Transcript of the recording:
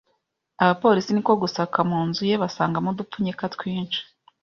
abapolisi ni ko gusaka mu nzu ye basangamo udupfunyika twinshi